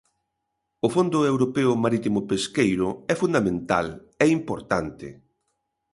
O Fondo Europeo Marítimo-Pesqueiro é fundamental, é importante.